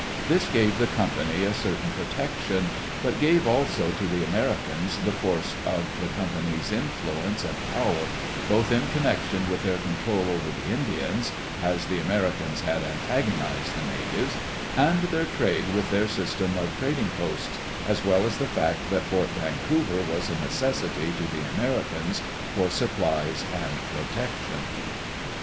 This gave the Company a certain protection, but gave also to the Americans the force of the Compansr's influence and power, both in connection with their control over the Indians — ^as the Americans had antagonized the natives — ^and their trade with their system of trading posts, as well as the fact that Fort Vancouver was a necessity to the Americans for supplies and protection.